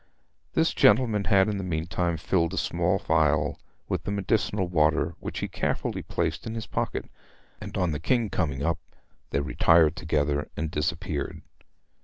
This gentleman had in the meantime filled a small phial with the medicinal water, which he carefully placed in his pocket; and on the King coming up they retired together and disappeared.